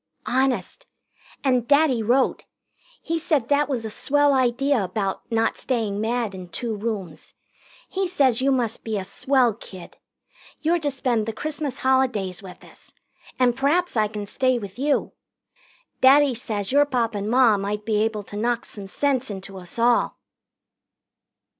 "Honest. And Daddy wrote. He says that was a swell idea about not staying mad in two rooms. He says you must be a swell kid. You're to spend the Christmas holidays with us and p'raps I can stay with you. Daddy says your Pop and Ma might be able to knock some sense into us all."